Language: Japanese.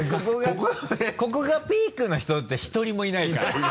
ここがピークの人って１人もいないから。